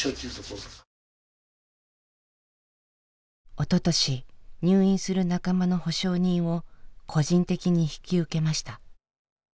おととし入院する仲間の保証人を個人的に引き受けました。